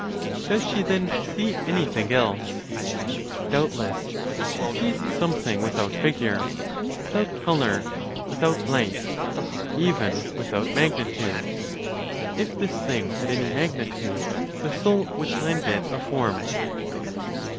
Does she then see anything else? Doubtless, she sees something without figure, without color, without light, or even without magnitude. If this thing had any magnitude, the soul would lend it a form.